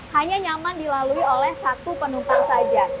hanya nyaman dilalui oleh satu penumpang saja